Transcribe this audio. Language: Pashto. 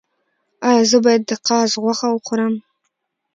ایا زه باید د قاز غوښه وخورم؟